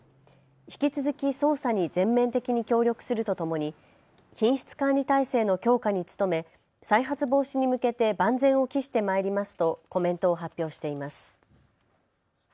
引き続き捜査に全面的に協力するとともに品質管理体制の強化に努め再発防止に向けて万全を期してまいりますとコメントを発表しています。